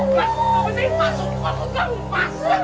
masuk masuk masuk masuk masuk